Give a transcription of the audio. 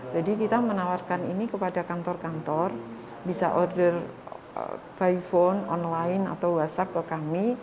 jadi kita menawarkan ini kepada kantor kantor bisa order by phone online atau whatsapp ke kami